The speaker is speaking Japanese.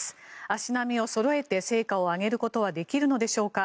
足並みをそろえて成果を上げることはできるのでしょうか。